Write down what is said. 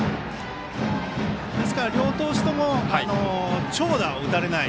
ですから、両投手とも長打を打たれない。